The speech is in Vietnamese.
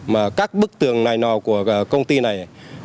mà các bức tường này nò của công ty này